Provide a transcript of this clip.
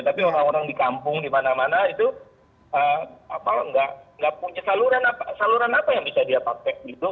tapi orang orang di kampung di mana mana itu nggak punya saluran apa yang bisa dia pakai gitu